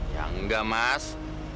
ya enggak mas